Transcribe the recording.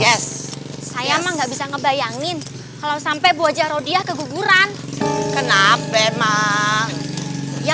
yes saya nggak bisa ngebayangin kalau sampai buajarodya keguguran kenapa emang ya